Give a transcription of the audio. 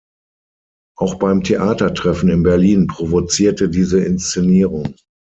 Auch beim Theatertreffen in Berlin provozierte diese Inszenierung.